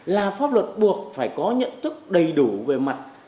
là pháp luật buộc phải có nhận thức đầy đủ về mặt